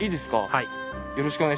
はい。